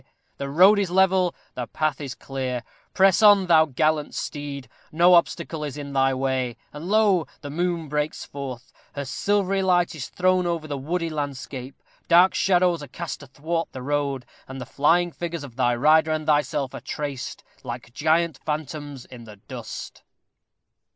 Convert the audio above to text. the road is level, the path is clear. Press on, thou gallant steed, no obstacle is in thy way! and, lo! the moon breaks forth! Her silvery light is thrown over the woody landscape. Dark shadows are cast athwart the road, and the flying figures of thy rider and thyself are traced, like giant phantoms, in the dust!